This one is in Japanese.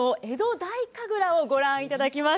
太神楽をご覧いただきます。